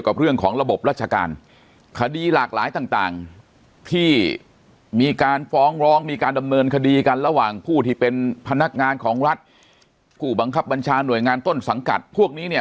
กุบำงคับบัญชาหน่วยงานต้นสังกัดพวกนี้เนี่ย